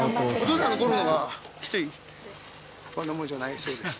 こんなもんじゃないそうです。